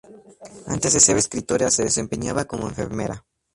Antes de ser escritora se desempeñaba como enfermera.